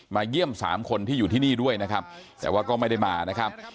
เยี่ยมสามคนที่อยู่ที่นี่ด้วยนะครับแต่ว่าก็ไม่ได้มานะครับ